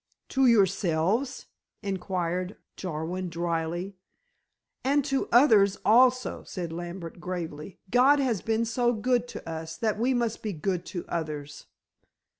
"To yourselves?" inquired Jarwin dryly. "And to others also," said Lambert gravely. "God has been so good to us that we must be good to others."